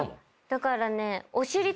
だからね。